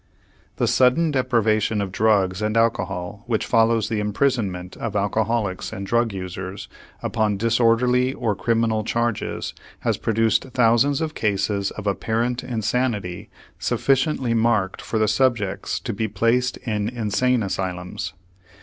The sudden deprivation of drugs and alcohol which follows the imprisonment of alcoholics and drug users upon disorderly or criminal charges has produced thousands of cases of apparent insanity sufficiently marked for the subjects to be placed in insane asylums.